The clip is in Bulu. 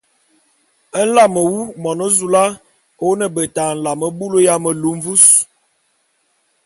Nlame wu, Monezoula, ô ne beta nlame bulu ya melu mvus.